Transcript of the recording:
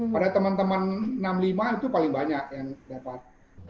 pada teman teman enam puluh lima itu paling banyak yang dapat